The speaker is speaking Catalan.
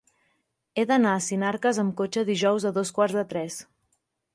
He d'anar a Sinarques amb cotxe dijous a dos quarts de tres.